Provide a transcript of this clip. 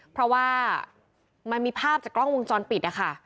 เพราะว่ามันมีภาพจากกล้องวงจรปิดนะคะ